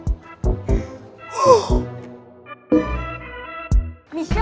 tunggu nona di sini